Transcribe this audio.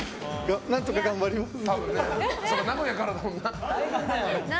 何とか頑張ります。